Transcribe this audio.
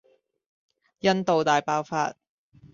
印度大爆發